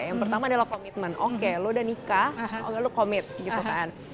yang pertama adalah komitmen oke lo udah nikah lo komit gitu kan